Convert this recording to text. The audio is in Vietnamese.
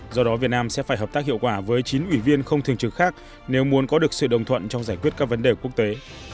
do đó việt nam sẽ phải hợp tác hiệu quả với chín ủy viên không thường trực khác nếu muốn có được sự đồng thuận trong giải quyết các vấn đề quốc tế